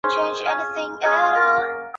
大原郡是过去隶属岛根县的一郡。